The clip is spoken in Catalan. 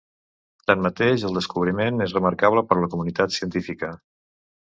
Tanmateix, el descobriment és remarcable per a la comunitat científica.